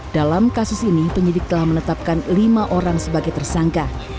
dalam kasus ini penyidik telah menetapkan lima orang sebagai tersangka